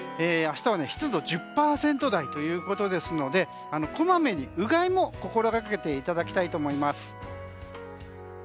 明日は湿度１０％台ということでこまめにうがいも心がけていただきたいと思います。